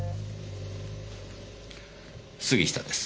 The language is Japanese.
杉下です。